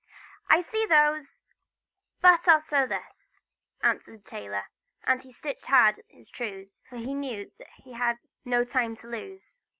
"I see those, but I'll sew this!" answered the tailor; and he stitched hard at his trews, for he knew that he had no time to lose.